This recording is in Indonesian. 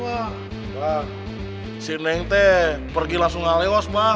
bah si neng teh pergi langsung ga lewas bah